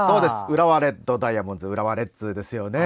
浦和レッドダイヤモンズ＝浦和レッズですよね。